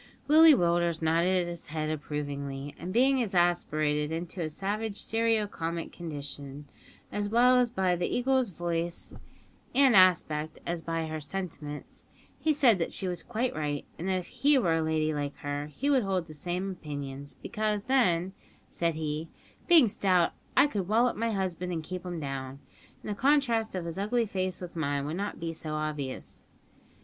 Willie Willders nodded his head approvingly, and, being exasperated into a savage serio comic condition, as well by the Eagle's voice and aspect as by her sentiments, he said that she was quite right, and that if he were a lady like her he would hold the same opinions, because then, said he, "being stout, I could wallop my husband an' keep him down, an' the contrast of his ugly face with mine would not be so obvious."